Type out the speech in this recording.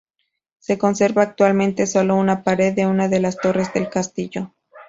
Se conserva actualmente sólo una pared de una de las torres del castillo.